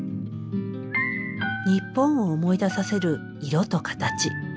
日本を思い出させる色と形。